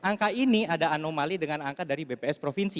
angka ini ada anomali dengan angka dari bps provinsi